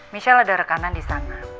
misalnya ada rekanan di sana